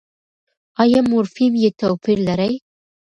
ایا مورفیم يې توپیر لري؟